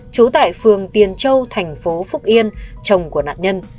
trú tại phường tiền châu thành phố phúc yên chồng của nạn nhân